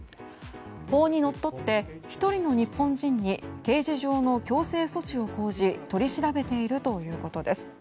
法にのっとって１人の日本人に刑事上の強制措置を講じ取り調べているということです。